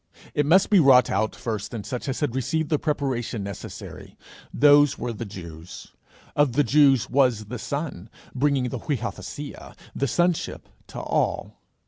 It must be wrought out first in such as had received the preparation necessary; those were the Jews; of the Jews was the Son, bringing the [Greek: viothesia], the sonship, to all.